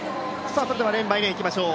それではレーンバイレーンいきましょう。